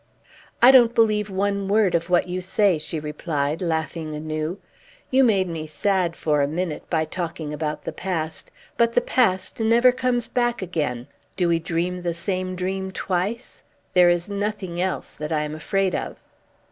"I don't believe one word of what you say!" she replied, laughing anew. "You made me sad, for a minute, by talking about the past; but the past never comes back again. Do we dream the same dream twice? There is nothing else that I am afraid of."